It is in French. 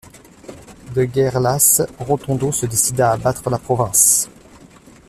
De guerre lasse, Rotondo se décida à battre la province.